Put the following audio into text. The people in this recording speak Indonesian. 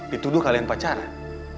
dituduh kalian pacaran